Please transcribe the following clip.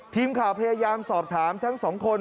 ทีมข่าวพยายามสอบถามทั้งสองคน